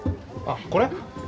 あっこれ？